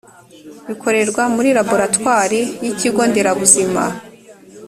bikorerwa muri laboratwari y ikigo nderabuzima